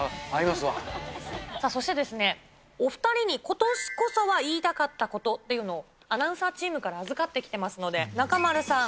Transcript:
そしてですね、お２人に今年こそは言いたかったことっていうのを、アナウンサーチームから預かってきていますので、中丸さん。